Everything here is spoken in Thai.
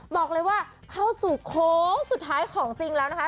บอกเลยว่าเข้าสู่โค้งสุดท้ายของจริงแล้วนะคะ